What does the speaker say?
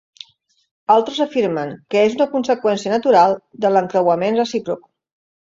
Altres afirmen que és una conseqüència natural de l'encreuament recíproc.